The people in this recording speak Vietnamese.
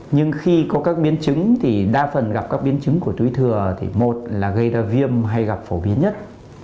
nhưng khi có các biến chứng thì đa phần gặp các biến chứng của túi thừa thì một là gây ra viêm hay gặp phổ biến nhất